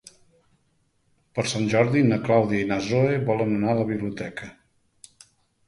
Per Sant Jordi na Clàudia i na Zoè volen anar a la biblioteca.